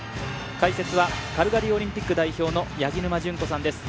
解説はカルガリーオリンピック代表の八木沼純子さんです